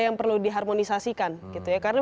yang perlu diharmonisasikan gitu ya karena